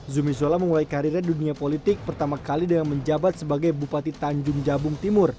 zumi zola memulai karirnya dunia politik pertama kali dengan menjabat sebagai bupati tanjung jabung timur